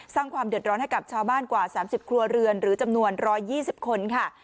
สร้างความเดือดร้อนให้กับชาวบ้านกว่า๓๐ครัวเรือนหรือจำนวน๑๒๐คนค่ะ